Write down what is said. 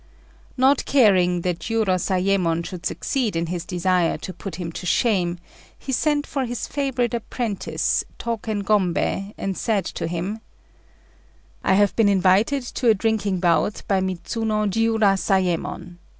Not caring that Jiurozayémon should succeed in his desire to put him to shame, he sent for his favourite apprentice, Tôken Gombei, and said to him "I have been invited to a drinking bout by Midzuno Jiurozayémon.